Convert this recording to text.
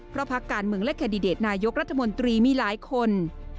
เพราะพักการเมืองและแคนดิเดตนายกรัฐมนตรีมีหลายคน